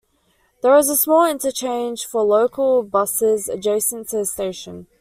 There is a small interchange for local buses adjacent to the station.